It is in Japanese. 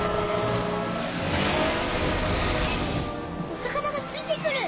お魚がついて来る！